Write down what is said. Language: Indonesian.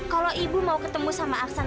kalau ibu mau ketemu sama aksan